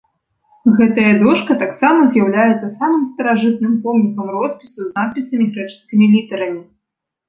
Гэтая дошка таксама з'яўляецца самым старажытным помнікам роспісу з надпісам грэчаскімі літарамі.